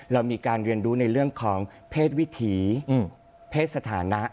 เรามีการเรียนรู้ในเรื่องของเพศวิถีเพศสถานะ